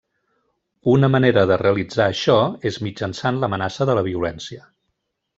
Una manera de realitzar això és mitjançant l'amenaça de la violència.